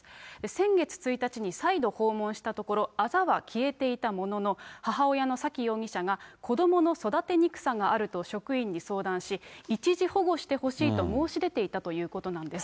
先月１日に再度訪問したところ、あざは消えていたものの、母親の沙喜容疑者が子どもの育てにくさがあると職員に相談し、一時保護してほしいと申し出ていたということなんです。